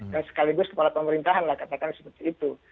dan sekaligus kepala pemerintahan lah katakan seperti itu